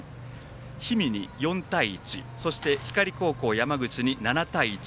氷見に４対１そして光高校、山口に７対１。